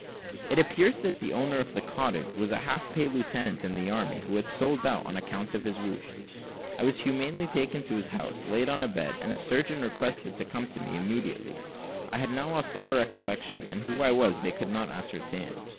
It appears that the owner of the cottage was a half pay lieutenant in the army, who had sold out on account of his wounds. I was humanely taken into his house, laid on a bed, and a surgeon requested to come to me immediately. I had now lost all recollection, and who I was they could not ascertain.